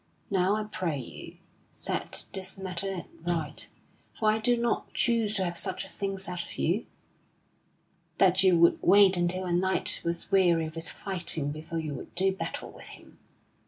Now, I pray you, set this matter at right, for I do not choose to have such a thing said of you; that you would wait until a knight was weary with fighting before you would do battle with him.